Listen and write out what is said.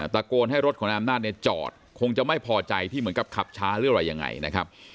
ตะโกนให้รถของนายอำนาจเนี่ยจอดคงจะไม่พอใจที่เหมือนกับขับช้าหรืออะไรยังไงนะครับ